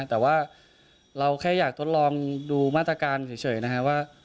แต่ว่าเราแค่อยากทดลองดูมาตรการเฉยนะครับว่า